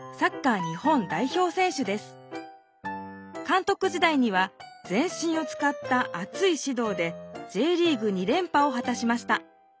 監督時代には全身をつかったあついしどうでＪリーグ２連覇をはたしました。